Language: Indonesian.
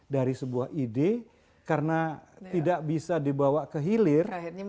dari sebuah ide karena tidak bisa dibawa ke hilir